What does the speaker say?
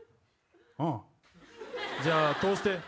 ああじゃあ通して。